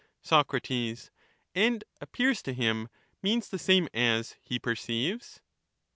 Soc, And 'appears to him' means the same as 'he per ceives.'